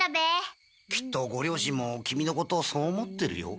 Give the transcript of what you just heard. きっとご両親も君のことをそう思ってるよ。